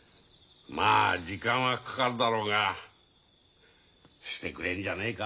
まあ時間はかかるだろうがしてくれんじゃねえか？